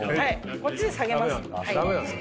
こっちで下げます。